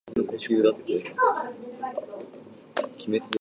水の呼吸陸ノ型ねじれ渦（ろくのかたねじれうず）